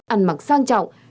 ăn mặc sang trọng